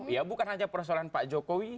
ya bukan hanya persoalan pak jokowi